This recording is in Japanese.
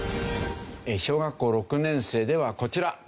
小学校６年生ではこちら。